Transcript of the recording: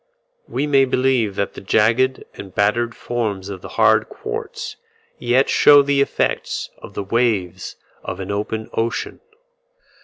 We may believe that the jagged and battered forms of the hard quartz yet show the effects of the waves of an open ocean.